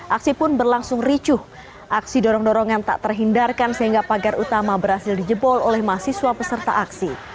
aksi pun berlangsung ricuh aksi dorong dorongan tak terhindarkan sehingga pagar utama berhasil dijebol oleh mahasiswa peserta aksi